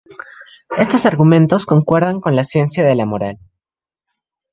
Estos argumentos concuerdan con la ciencia de la moral.